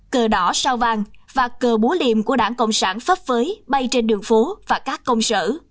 cờ đỏ sao vàng và cờ búa liềm của đảng cộng sản phấp phới bay trên đường phố và các công sở